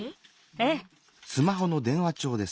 ええ。